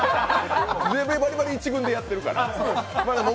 バリバリ１軍でやってるから。